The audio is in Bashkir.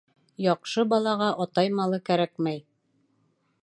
Яҡшы балаға атай малы кәрәкмәй